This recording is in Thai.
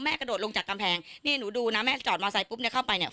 กระโดดลงจากกำแพงนี่หนูดูนะแม่จอดมอไซคปุ๊บเนี่ยเข้าไปเนี่ย